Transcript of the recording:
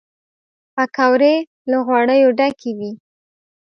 پکورې له غوړیو ډکې وي